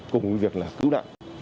cùng với việc là cứu nạn